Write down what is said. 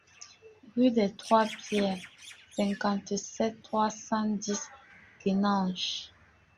Rue des trois Pierres, cinquante-sept, trois cent dix Guénange